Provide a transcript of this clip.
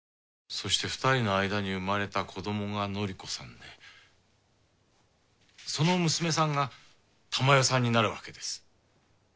そして２人の間に生まれた子どもが祝子さんでその娘さんが珠世さんになるわけです。